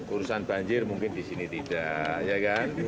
urusan banjir mungkin di sini tidak ya kan